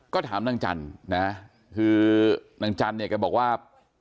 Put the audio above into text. ก็ถามนางจันทร์นะคือนางจันทร์เนี่ยแกบอกว่า